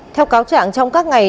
theo cáo trạng trong các ngày